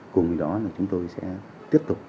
cùng với đó là chúng tôi sẽ tiếp tục